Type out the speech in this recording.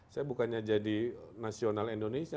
saya bukannya jadi nasional indonesia